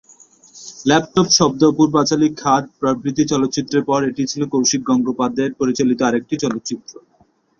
Laptop, Shabdo, Apur Panchali, Khaad প্রভৃতি চলচ্চিত্রের পর, এটি ছিল কৌশিক গঙ্গোপাধ্যায়ের পরিচালিত আরেকটি চলচ্চিত্র।